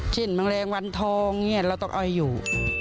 เช่นแมงแรงวันทองนี่เราต้องเอาอยู่